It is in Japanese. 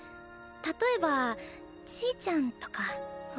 例えばちぃちゃんとか。